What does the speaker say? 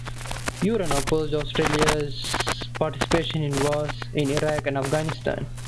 Uren opposed Australia's participation in the wars in Iraq and Afghanistan.